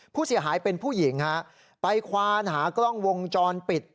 ผู้เสียหายเป็นผู้หญิงฮะไปควานหากล้องวงจรปิด